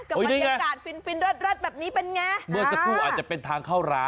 กับบรรยากาศฟินฟินเลิศรัดแบบนี้เป็นไงเมื่อสักครู่อาจจะเป็นทางเข้าร้าน